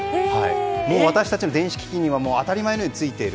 私たちの電子機器には当たり前のようについている。